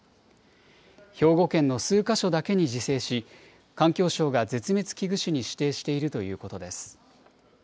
兵庫県の数か所だけに自生し、環境省が絶滅危惧種に指定しているということです。